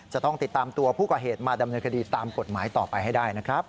จะต้องติดตามตัวผู้ก่อเหตุมาดำเนินคดีตามกฎหมายต่อไปให้ได้นะครับ